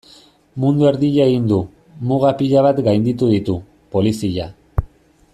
Mundu erdia egin du, muga pila bat gainditu ditu, polizia...